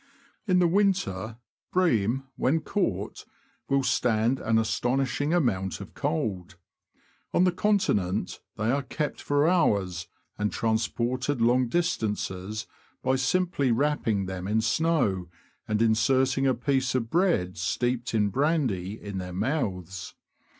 In the winter, bream, when caught, will stand an astonishing amount of cold. On the Continent, they are kept for hours, and transported long distances, by simply wrapping them in snow, and inserting a piece of bread steeped in brandy in their mouths.